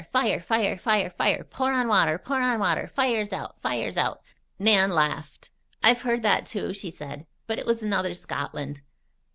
Fire! Fire! Fire! Fire! Pour on water! Pour on water! Fire's out! Fire's out!'" Nan laughed. "I've heard that, too," she said. "But it was another Scotland."